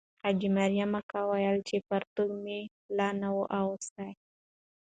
حاجي مریم اکا وویل چې پرتوګ مې لا نه وو اغوستی.